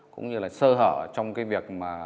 cũng như là sơ hở trong cái việc